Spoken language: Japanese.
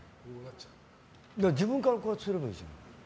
自分からこうやってすればいいじゃん。